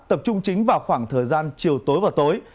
tập trung chính vào khoảng thời gian chiều tối và tối